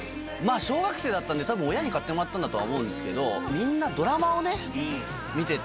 小学生だったんで多分親に買ってもらったんだとは思うんですけど。